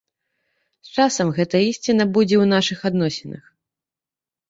З часам гэтая ісціна будзе і ў нашых адносінах.